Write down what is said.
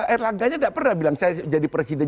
erlangganya tidak pernah bilang saya jadi presiden